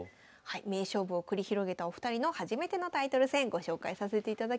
名勝負を繰り広げたお二人の初めてのタイトル戦ご紹介させていただきました。